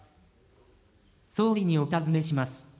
総理にお尋ねします。